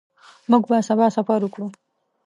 موږ به سبا سفر وکړو.